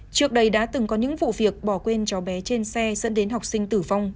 trước đây đã từng có những vụ việc bỏ quên cháu bé trên xe dẫn đến học sinh tử vong